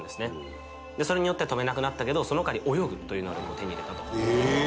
それによって飛べなくなったけどその代わり泳ぐという能力を手に入れたと。